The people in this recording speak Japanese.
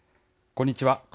こんにちは。